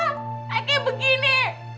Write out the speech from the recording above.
ayah kayak begini